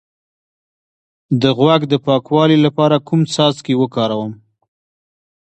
د غوږ د پاکوالي لپاره کوم څاڅکي وکاروم؟